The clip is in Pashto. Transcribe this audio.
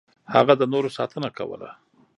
هغه د نورو ساتنه کوله.